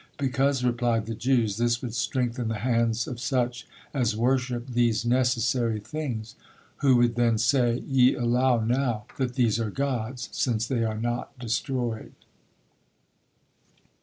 Because, replied the Jews, this would strengthen the hands of such as worship these necessary things, who would then say Ye allow now that these are gods, since they are not destroyed."